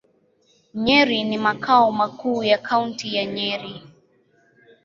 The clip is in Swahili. Nyeri ni makao makuu ya Kaunti ya Nyeri.